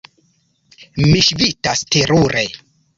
Mi ŝvitas terure.